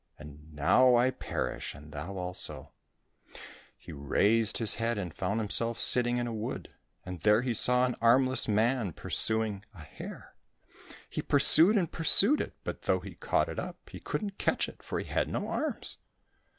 And now I perish and thou also !" He raised his head and found himself sitting in a wood, and there he saw an armless man pursuing a hare. He pursued and pursued it, but though he caught it up, he couldn't catch it, for he had no arms.